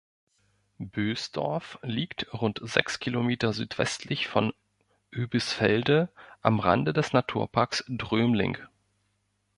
Bösdorf liegt rund sechs Kilometer südwestlich von Oebisfelde am Rande des Naturparks Drömling.